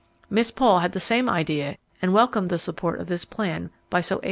Miss Paul had the same idea and welcomed the support of this plan by so able a leader.